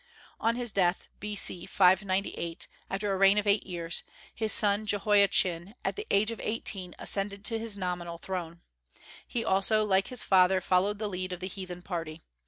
On his death, B.C. 598, after a reign of eight years, his son Jehoiachin, at the age of eighteen, ascended his nominal throne. He also, like his father, followed the lead of the heathen party.